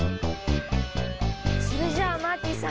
それじゃあマーティさん。